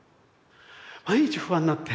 毎日不安になって。